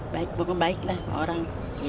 baik bukan baik lah orang